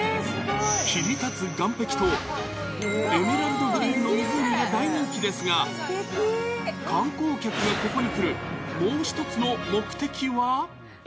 切り立つ岸壁とエメラルドグリーンの湖が大人気ですが、観光客がここに来るもう一つの目的は。